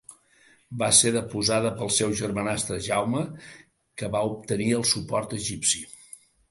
Va ser deposada pel seu germanastre, Jaume, que va obtenir el suport egipci.